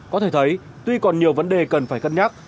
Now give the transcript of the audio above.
có thể thấy tuy còn nhiều vấn đề cần phải cân nhắc